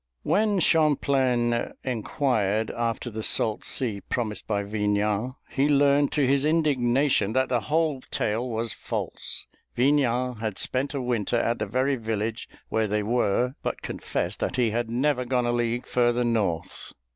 When Champlain inquired after the salt sea promised by Vignan, he learned to his indignation that the whole tale was false. Vignan had spent a winter at the very village where they were, but confessed that he had never gone a league further north.